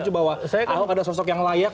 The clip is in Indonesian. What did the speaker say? itu bahwa ahok ada sosok yang layak